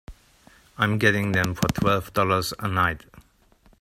I'm getting them for twelve dollars a night.